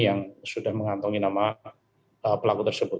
yang sudah mengantongi nama pelaku tersebut